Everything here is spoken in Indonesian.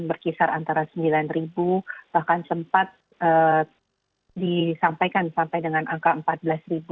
berkisar antara sembilan ribu bahkan sempat disampaikan sampai dengan angka empat belas ribu